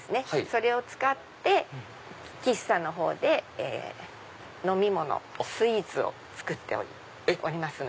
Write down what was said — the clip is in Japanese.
それを使って喫茶のほうで飲み物スイーツを作っております。